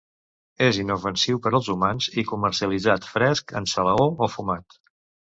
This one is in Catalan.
És inofensiu per als humans i comercialitzat fresc, en salaó o fumat.